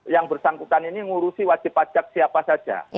yang bersangkutan ini ngurusi wajib pajak siapa saja